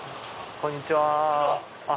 こんにちは！